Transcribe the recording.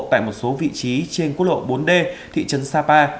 tại một số vị trí trên quốc lộ bốn d thị trấn sapa